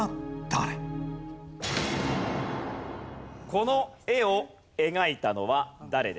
この絵を描いたのは誰でしょうか？